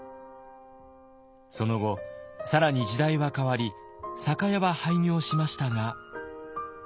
その後更に時代は変わり酒屋は廃業しましたが。